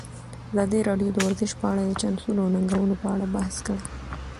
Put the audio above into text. ازادي راډیو د ورزش په اړه د چانسونو او ننګونو په اړه بحث کړی.